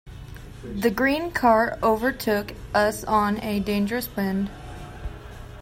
The green car overtook us on a dangerous bend.